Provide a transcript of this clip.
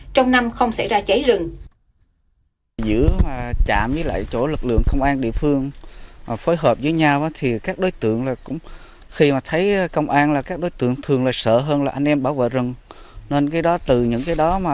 trong năm không xảy ra cháy rừng